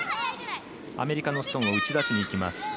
アメリカのストーンを打ち出しにいきます。